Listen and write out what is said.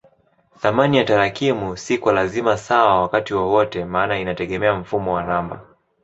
Thamani ya tarakimu si kwa lazima sawa wakati wowote maana inategemea mfumo wa namba.